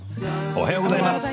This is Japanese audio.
おはようございます。